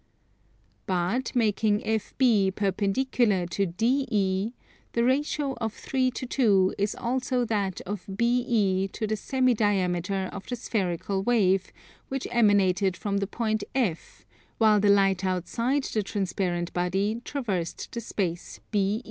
But, making FB perpendicular to DE, the ratio of 3 to 2 is also that of BE to the semi diameter of the spherical wave which emanated from the point F while the light outside the transparent body traversed the space BE.